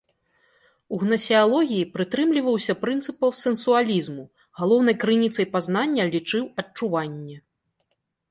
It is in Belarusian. У гнасеалогіі прытрымліваўся прынцыпаў сенсуалізму, галоўнай крыніцай пазнання лічыў адчуванне.